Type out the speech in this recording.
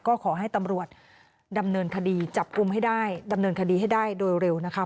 ก็ขอให้ตำรวจดำเนินคดีจับกลุ่มให้ได้ดำเนินคดีให้ได้โดยเร็วนะคะ